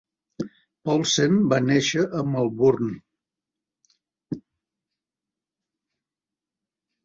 Poulsen va néixer a Melbourne.